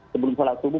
sebelum sholat subuh